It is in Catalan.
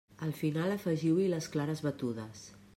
Al final afegiu-hi les clares batudes.